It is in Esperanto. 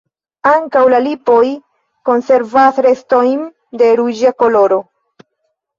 Ankaŭ la lipoj konservas restojn de ruĝa koloro.